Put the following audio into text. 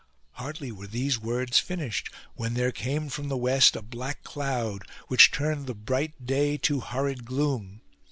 Hardly were these words finished when there came from the west a black cloud, which turned the bright day to horrid gloom.